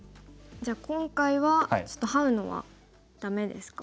じゃあ今回はちょっとハウのはダメですか？